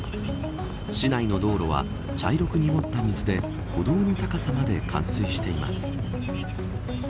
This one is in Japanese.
市内の道路は茶色く濁った水で歩道の高さまで冠水しています。